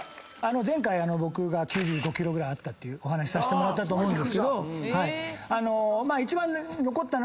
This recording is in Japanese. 前回僕が９５ｋｇぐらいあったっていうお話さしてもらったと思うけど。